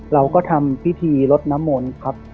เราก็ทำพิธีรถน้ำมนต์